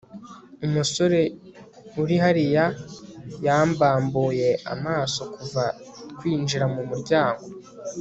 Umusore uri hariya yambambuye amaso kuva twinjira mumuryango